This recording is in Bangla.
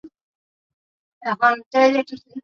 তিনি মন্তসেরাট বইটি রচনা করেন।